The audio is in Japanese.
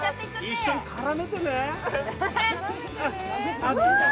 一緒に絡めてね。